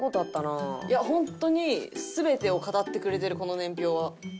いやホントに全てを語ってくれてるこの年表は。